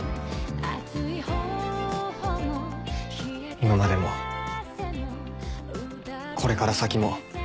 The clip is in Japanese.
今までもこれから先もずっと。